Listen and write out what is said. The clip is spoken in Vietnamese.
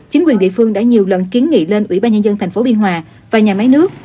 chính quyền địa phương đã nhiều lần kiến nghị lên ủy ban nhà dân thành phố biên hòa và nhà máy nước